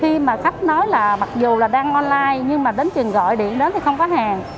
khi mà khách nói là mặc dù là đang online nhưng mà đến trường gọi điện đến thì không có hàng